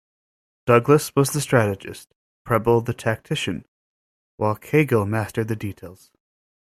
Douglas was the strategist, Prebble the tactician, while Caygill mastered the details.